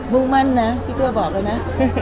มุ่งมั่นนะชิคกี้พายบอกแล้วนะ